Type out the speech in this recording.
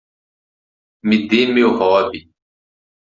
Me dê meu robe!